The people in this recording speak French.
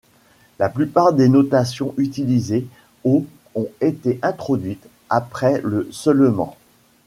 La plupart des notations utilisées au ont été introduites après le seulement.